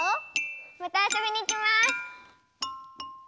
またあそびにきます！